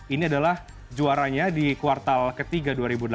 ini adalah juaranya di kuartal ketiga dua ribu delapan belas